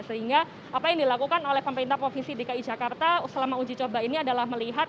sehingga apa yang dilakukan oleh pemerintah provinsi dki jakarta selama uji coba ini adalah melihat